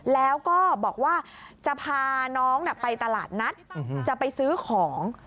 แล้วก็บอกว่าจะพาน้องไปตลาดนัดจะไปซื้อของ